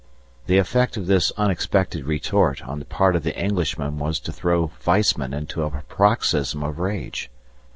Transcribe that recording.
The effect of this unexpected retort on the part of the Englishman was to throw Weissman into a paroxysm of rage.